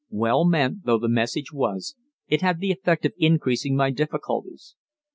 Well meant though the message was, it had the effect of increasing my difficulties.